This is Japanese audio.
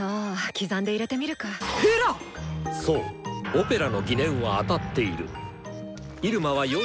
オペラの疑念は当たっている！